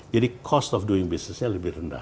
jadi cost of doing business nya lebih rendah